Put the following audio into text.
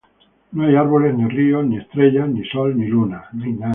No hay árboles, ni ríos, ni estrellas, ni sol, ni luna.